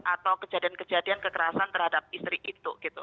atau kejadian kejadian kekerasan terhadap istri itu